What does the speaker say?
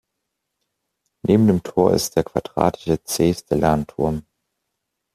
Neben dem Tor ist der quadratische Cstellan-Turm.